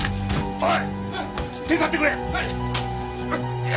おい！